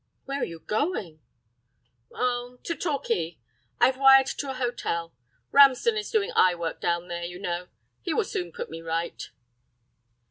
"Where are you going?" "Oh—to Torquay. I've wired to a hotel. Ramsden is doing eye work down there, you know. He will soon put me right."